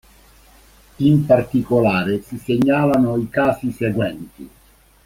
In particolare si segnalano i casi seguenti.